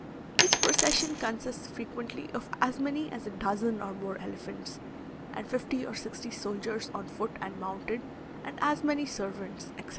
Each procession consists frequently of as many as a dozen or more elephants, and fifty or sixty soldiers on foot and mounted, and as many servants, etc.